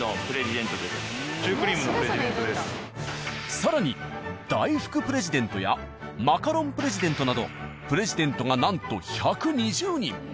更に大福プレジデントやマカロンプレジデントなどプレジデントがなんと１２０人。